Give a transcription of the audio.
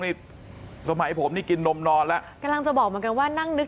นี่สมัยผมนี่กินนมนอนแล้วกำลังจะบอกเหมือนกันว่านั่งนึก